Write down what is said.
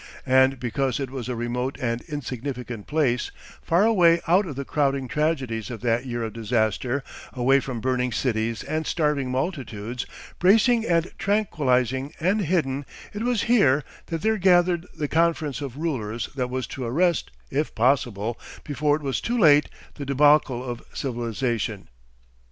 And because it was a remote and insignificant place, far away out of the crowding tragedies of that year of disaster, away from burning cities and starving multitudes, bracing and tranquillising and hidden, it was here that there gathered the conference of rulers that was to arrest, if possible, before it was too late, the débâcle of civilisation.